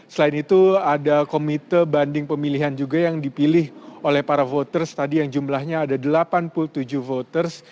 selain itu ada komite banding pemilihan juga yang dipilih oleh para voters tadi yang jumlahnya ada delapan puluh tujuh voters